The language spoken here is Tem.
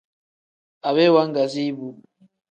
Aweyi waagazi bu.